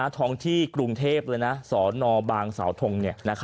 ท้องที่กรุงเทพเลยนะสนบางสาวทง